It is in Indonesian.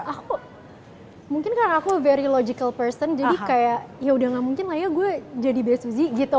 aku mungkin karena aku very logical person jadi kayak yaudah gak mungkin lah ya gue jadi bsu gitu